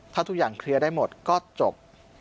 ถ้าทุกอย่างเคลียร์ได้หมดก็จบ